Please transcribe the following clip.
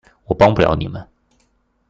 我幫不了你們